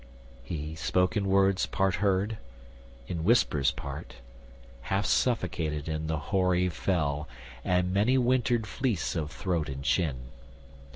He spoke in words part heard, in whispers part, Half suffocated in the hoary fell And many wintered fleece of throat and chin.